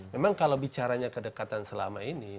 memang kalau bicaranya kedekatan selama ini